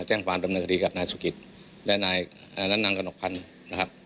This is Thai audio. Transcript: แจ้งฟังดำเนื้อคดีกับนายสุขิตและนางกระนกพันธ์